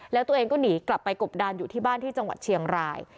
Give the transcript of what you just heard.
แล้วตัวเองก็หนีกลับไปกบดานอยู่ที่บ้านที่จังหวัดเชียงราย